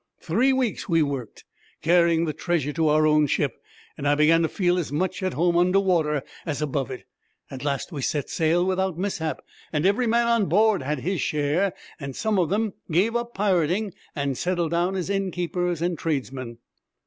'Three weeks we worked, carrying the treasure to our own ship, and I began to feel as much at home under water as above it. At last we set sail without mishap, and every man on board had his share, and some of them gave up pirating and settled down as innkeepers and tradesmen.'